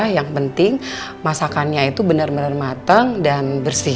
yang penting masakannya itu benar benar matang dan bersih